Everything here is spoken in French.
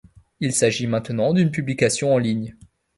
Il s'agit maintenant d'une publication en ligne.